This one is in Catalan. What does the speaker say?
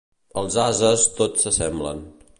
Els ases tots s'assemblen.